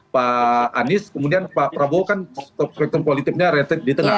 pak anies kemudian pak prabowo kan politiknya rate di tengah